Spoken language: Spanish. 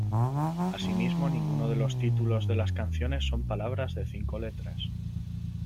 Asimismo, ningunos de los títulos de las canciones son palabras de cinco letras.